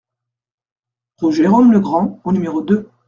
Rue Jérome Legrand au numéro deux